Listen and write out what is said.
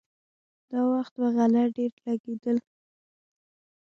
دا وخت به غله ډېر لګېدل.